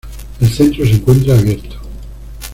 El centro se encuentra abierto.